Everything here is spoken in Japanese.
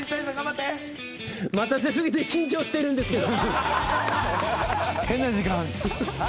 待たせすぎて緊張してるんですけど！